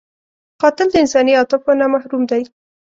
قاتل د انساني عاطفو نه محروم دی